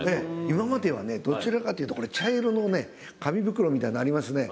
今まではねどちらかというと茶色のね紙袋みたいなのありますね